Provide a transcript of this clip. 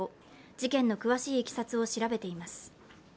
事件の詳しいいきさつを調べています。